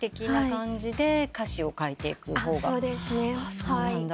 そうなんだ。